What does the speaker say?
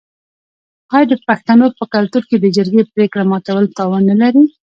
آیا د پښتنو په کلتور کې د جرګې پریکړه ماتول تاوان نلري؟